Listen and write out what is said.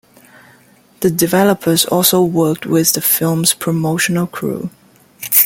The developers also worked with the film's promotional crew.